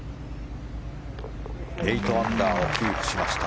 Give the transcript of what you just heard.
８アンダーをキープしました。